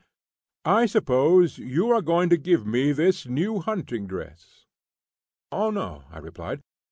I suppose you are going to give me this new hunting dress." "Oh no," I replied.